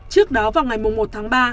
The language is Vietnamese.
trước đó vào ngày một tháng ba